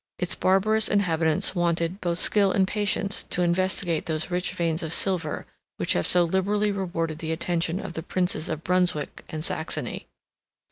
Its barbarous inhabitants wanted both skill and patience to investigate those rich veins of silver, which have so liberally rewarded the attention of the princes of Brunswick and Saxony.